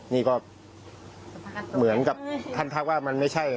นี่ก็เหมือนกับท่านท่าว่ามันไม่ใช่อ่ะครับ